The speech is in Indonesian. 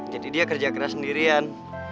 dia kerja keras sendirian